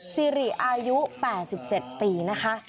สิริอายุ๘๗ปีนะคะ